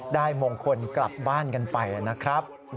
มงคลกลับบ้านกันไปนะครับ